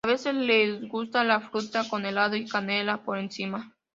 A veces les gusta la fruta con helado y canela por encima.